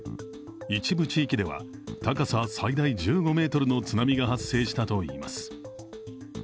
一部地域では高さ最大１５ｍの津波が発生したといいます。